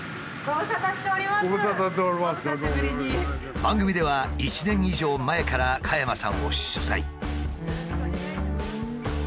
番組では１年以上前から加山さんを取材。